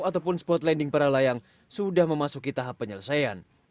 ataupun spot landing para layang sudah memasuki tahap penyelesaian